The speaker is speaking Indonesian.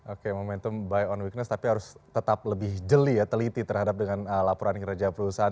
oke momentum by on weakness tapi harus tetap lebih jeli ya teliti terhadap dengan laporan kinerja perusahaan